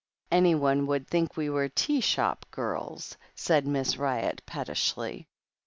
"Anyone would think we were tea shop girls/' said Miss Ryott pettishly.